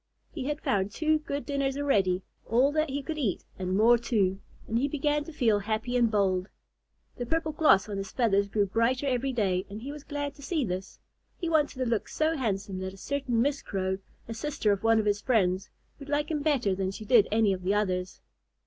He had found two good dinners already, all that he could eat and more too, and he began to feel happy and bold. The purple gloss on his feathers grew brighter every day, and he was glad to see this. He wanted to look so handsome that a certain Miss Crow, a sister of one of his friends, would like him better than she did any of the others.